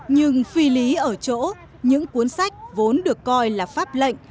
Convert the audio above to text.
nhưng phi lý ở chỗ những cuốn sách vốn được coi là pháp lệnh